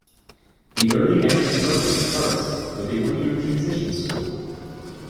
The Early Entrance program starts with a one year Transition School.